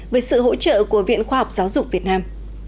với sự hỗ trợ của viện khoa học giáo dục việt nam